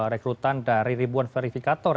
rekrutan dari ribuan verifikator